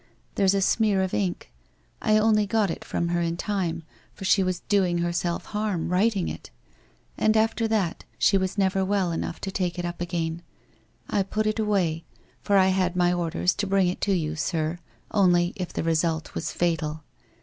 There's a smear of ink — I only got it from her in time, for she was doing herself harm, writing it. And after that she never well enough to take it up again. I put it away, for J had my orders to bring it to you. sir, only if the result was fatal.